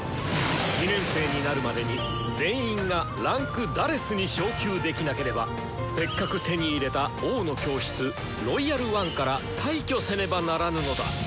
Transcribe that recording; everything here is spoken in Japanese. ２年生になるまでに全員が位階「４」に昇級できなければせっかく手に入れた「王の教室」「ロイヤル・ワン」から退去せねばならぬのだ！